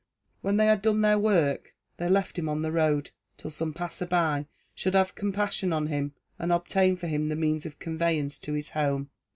When they had done their work, they left him on the road, till some passer by should have compassion on him, and obtain for him the means of conveyance to his home.